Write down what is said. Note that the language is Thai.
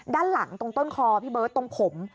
ด้านหลังตรงต้นคอพี่เบิร์ตตรงผม